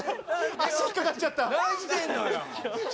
足、引っかかっちゃった。